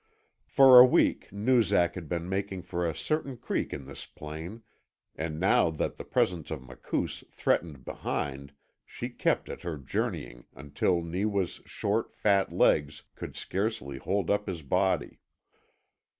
For a week Noozak had been making for a certain creek in this plain, and now that the presence of Makoos threatened behind she kept at her journeying until Neewa's short, fat legs could scarcely hold up his body.